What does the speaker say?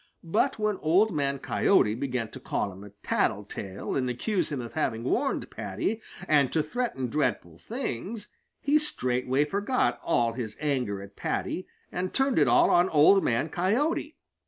But when Old Man Coyote began to call him a tattletale and accuse him of having warned Paddy, and to threaten dreadful things, he straightway forgot all his anger at Paddy and turned it all on Old Man Coyote.